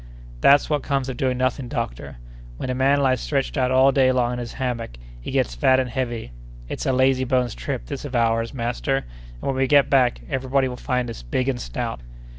"That's what comes of doing nothing, doctor; when a man lies stretched out all day long in his hammock, he gets fat and heavy. It's a lazybones trip, this of ours, master, and when we get back every body will find us big and stout."